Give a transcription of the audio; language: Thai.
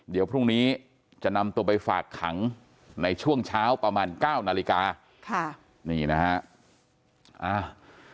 เดี๋ยวพรุ่งนี้จะนำตัวไปฝาดขังในช่วงเช้าประมาณ๙นาฬิกานี่นะครับ